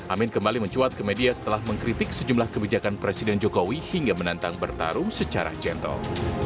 amin kembali mencuat ke media setelah mengkritik sejumlah kebijakan presiden jokowi hingga menantang bertarung secara jentol